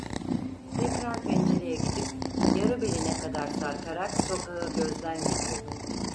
Tekrar pencereye gidip yarı beline kadar sarkarak sokağı gözden geçirdi.